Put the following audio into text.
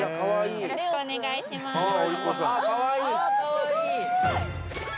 よろしくお願いしまーすあーっ